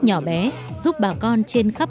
nhỏ bé giúp bà con trên khắp